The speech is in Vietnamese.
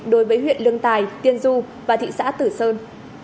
đối với huyện lương tài tiên du và thị xã tử sơn